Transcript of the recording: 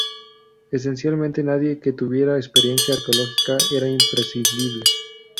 Esencialmente, nadie que tuviera experiencia arqueológica era imprescindible.